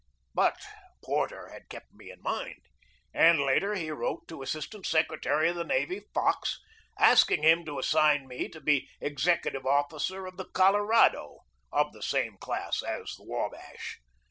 But Porter had kept me in mind, and later he wrote to Assistant Secretary of the Navy Fox asking him to assign me to be executive officer of the Col orado, of the same class as the Wabash.